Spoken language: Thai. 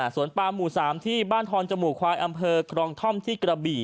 สวนปามหมู่๓ที่บ้านทอนจมูกควายอำเภอครองท่อมที่กระบี่